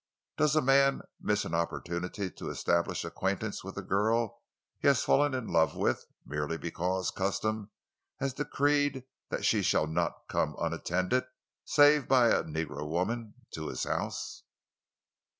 Does a man miss an opportunity to establish acquaintance with a girl he has fallen in love with, merely because custom has decreed that she shall not come unattended—save by a negro woman—to his house?